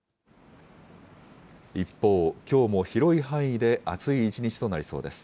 一方、きょうも広い範囲で暑い一日となりそうです。